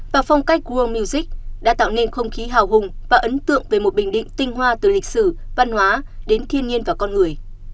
điểm tốt nhất là đoàn văn huy đã tạo nên không khí hào hùng và ấn tượng về một bình định tinh hoa từ lịch sử văn hóa đến thiên nhiên và con người